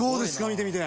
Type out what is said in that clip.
見てみて。